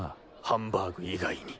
ハンバーグ以外に。